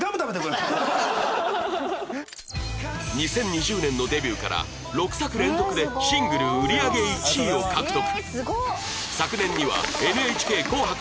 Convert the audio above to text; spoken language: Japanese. ２０２０年のデビューから６作連続でシングル売り上げ１位を獲得